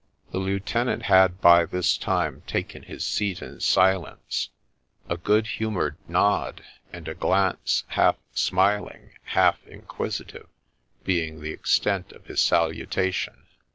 The lieutenant had by this time taken his seat in silence, — a good humoured nod, and a glance, half smiling, half inquisi tive, being the extent of his salutation.